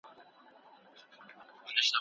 لاس دي مات د دې ملیار سي له باغوانه یمه ستړی